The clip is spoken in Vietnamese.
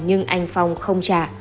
nhưng anh phong không trả